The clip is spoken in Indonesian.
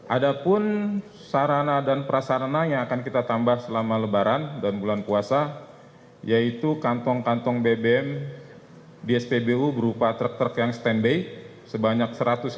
ada pun sarana dan prasarana yang akan kita tambah selama lebaran dan bulan puasa yaitu kantong kantong bbm di spbu berupa truk truk yang stand by sebanyak satu ratus lima puluh